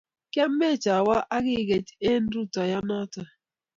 Kiamech awo ak ikech eng' rutoiyonoto